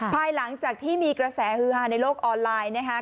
ภายหลังจากที่มีกระแสฮือฮาในโลกออนไลน์นะคะ